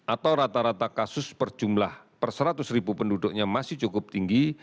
atau rata rata kasus per jumlah per seratus ribu penduduknya masih cukup tinggi